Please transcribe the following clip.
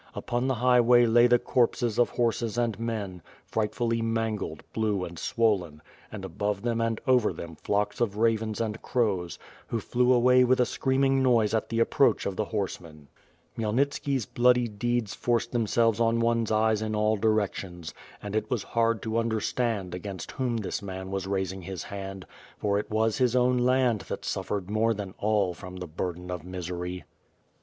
Upon the highway lay the corpses of horses and men, frightfully mangled, blue and swollen, and above them and over them flocks of ravens and crows, who flew away with a screaming noise at the approach of the horsemen. Khniyelnitski's WITH FIRE AND SWORD, 203 bloody deeds forced themselves on one's eyes in all directions, and it was hard to understand against whom this man was raising his hand, for it was his own land that suffered more than all from the burden of misery.